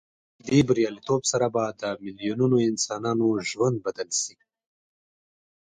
دې بریالیتوب سره به د میلیونونو انسانانو ژوند بدل شي.